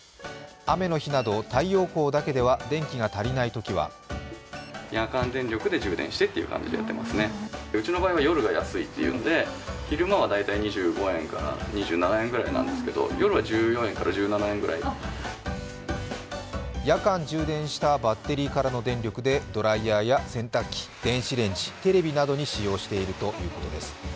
雨の日など太陽光だけでは電力が足りないときは夜間、充電したバッテリーからの電力でドライヤーや洗濯機、電子レンジ、テレビなどに使用しているということです。